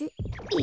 え？